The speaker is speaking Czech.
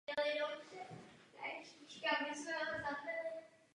Krátkou dobu pracovala jako bankovní úřednice.